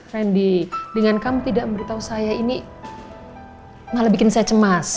randy dengan kamu tidak memberitahu saya ini malah bikin saya cemas